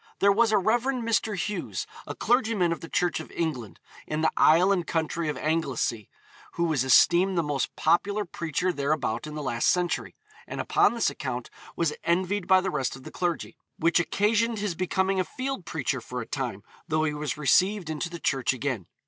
There was a Rev. Mr. Hughes, a clergyman of the Church of England, in the isle and county of Anglesea, who was esteemed the most popular preacher thereabout in the last century, and upon this account was envied by the rest of the clergy, 'which occasioned his becoming a field preacher for a time, though he was received into the Church again.'